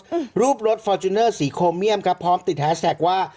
อืมรูปรถฟอร์จูเนอร์สีโคเมียมครับพร้อมติดแฮสแท็กว่า